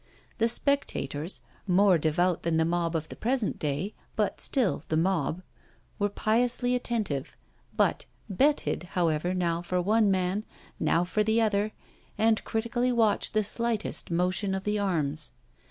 The spectators, more devout than the mob of the present day, but still the mob, were piously attentive, but betted however now for one man, now for the other, and critically watched the slightest motion of the arms.